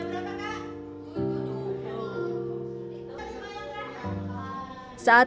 saya mau menjadi orang yang bermanfaat